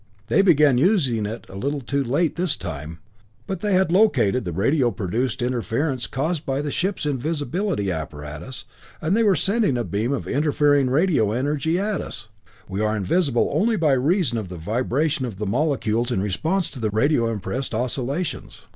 They began using it a bit too late this time, but they had located the radio produced interference caused by the ship's invisibility apparatus, and they were sending a beam of interfering radio energy at us. We are invisible only by reason of the vibration of the molecules in response to the radio impressed oscillations.